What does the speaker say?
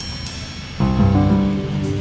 tapi kita tidak tahu